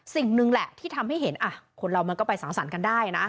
สิ่งหนึ่งแหละที่ทำให้เห็นคนเรามันก็ไปสังสรรค์กันได้นะ